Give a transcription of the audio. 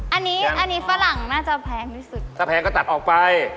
อันนี้อันนี้ฝรั่งน่าจะแพงที่สุดถ้าแพงก็ตัดออกไป